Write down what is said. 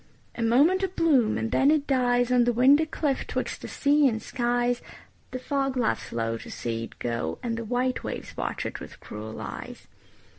A moment of bloom, and then it dies On the windy cliff 'twixt the sea and skies. The fog laughs low to see it go, And the white waves watch it with cruel eyes.